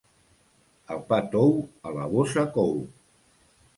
El pa tou a la bossa cou.